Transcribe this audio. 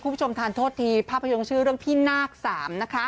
คุณผู้ชมทานโทษทีภาพยนตร์ชื่อเรื่องพี่นาคสามนะคะ